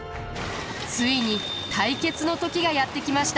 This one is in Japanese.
ついに対決の時がやって来ました。